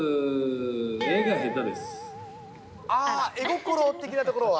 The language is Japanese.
ああ、絵心的なところは。